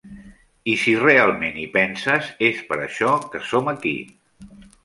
I si realment hi penses, és per això que som aquí.